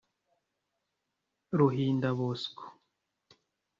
Ruhinda Bosco